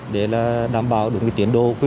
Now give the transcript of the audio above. để là đảm bảo được tiến đổi